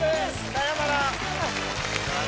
さようなら。